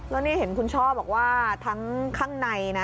แล้วนี่เห็นคุณช่อบอกว่าทั้งข้างในนะ